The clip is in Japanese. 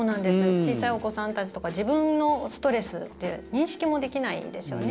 小さいお子さんたちとか自分のストレスという認識もできないですよね。